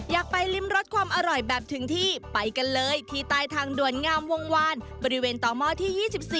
อยากไปริมรสความอร่อยแบบถึงที่ไปกันเลยที่ใต้ทางด่วนงามวงวานบริเวณต่อหม้อที่๒๔